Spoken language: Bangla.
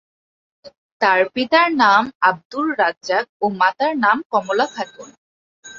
তার পিতার নাম আব্দুর রাজ্জাক ও মাতার নাম কমলা খাতুন।